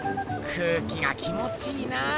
空気が気もちいいな。